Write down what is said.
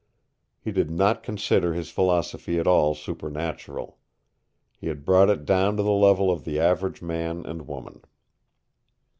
He did not consider his philosophy at all supernatural. He had brought it down to the level of the average man and woman.